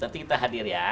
nanti kita hadir ya